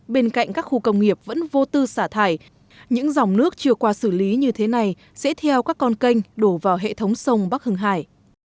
bên cạnh các khu công nghiệp vẫn vô tư xả thải những dòng nước chưa qua xử lý như thế này sẽ theo các con kênh đổ vào hệ thống sông bắc hưng hải